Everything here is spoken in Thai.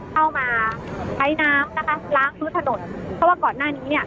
เข้ามาใช้น้ำนะคะล้างพื้นถนนเพราะว่าก่อนหน้านี้เนี่ย